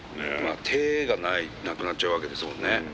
手がなくなっちゃうわけですもんね。